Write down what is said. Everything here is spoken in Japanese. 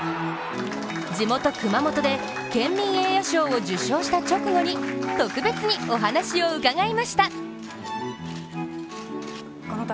地元・熊本で県民栄誉賞を受賞した直後に特別にお話を伺いました。